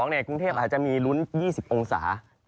ในกรุงเทพอาจจะมีลุ้น๒๐องศา